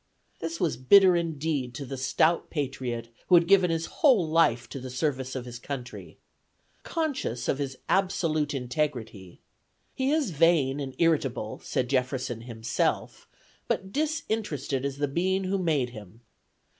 This was bitter indeed to the stout patriot who had given his whole life to the service of his country. Conscious of his absolute integrity ("He is vain and irritable," said Jefferson himself, "but disinterested as the being who made him!")